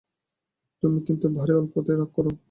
তুমি কিন্তু ভারি অল্পেতেই রাগ কর।